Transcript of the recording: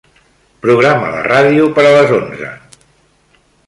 Programa la ràdio per a les onze.